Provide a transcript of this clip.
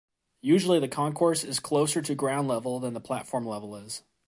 Usually, the concourse is closer to ground level than the platform level is.